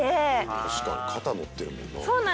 確かに肩乗ってるもんな。